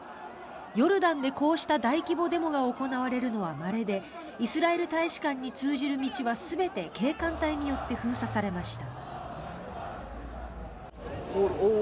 ヨルダンでこうした大規模デモが行われるのはまれでイスラエル大使館に通じる道は全て警官隊によって封鎖されました。